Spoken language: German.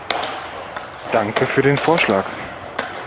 Danke für den Vorschlag.